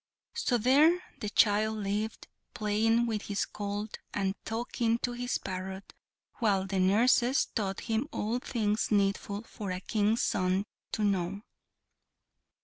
So there the child lived, playing with his colt, and talking to his parrot, while the nurses taught him all things needful for a King's son to know.